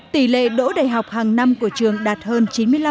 tỷ lệ đỗ đại học hàng năm của trường đạt hơn chín mươi năm